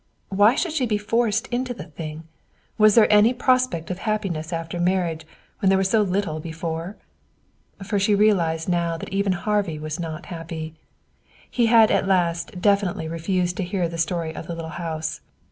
Why should she be forced into the thing? Was there any prospect of happiness after marriage when there was so little before? For she realized now that even Harvey was not happy. He had at last definitely refused to hear the story of the little house.